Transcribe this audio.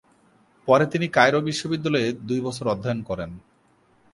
পরে তিনি কায়রো বিশ্ববিদ্যালয়ে দুই বছর অধ্যয়ন করেন।